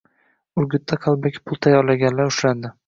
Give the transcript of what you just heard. Urgutda qalbaki pul tayyorlaganlar ushlandi